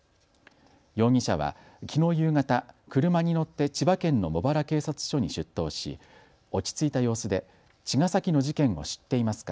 容疑者はきのう夕方、車に乗って千葉県の茂原警察署に出頭し落ち着いた様子で茅ヶ崎の事件を知っていますか。